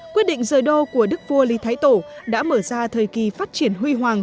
quyết định rời đô của đức vua lý thái tổ đã mở ra thời kỳ phát triển huy hoàng